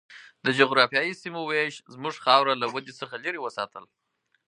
د جغرافیایي سیمو وېش زموږ خاوره له ودې څخه لرې وساتله.